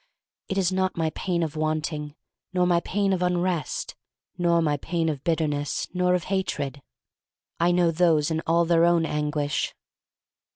It is not my pain of wanting, nor my pain of unrest, nor my pain of bitter ness, nor of hatred. I know those in all their own anguish.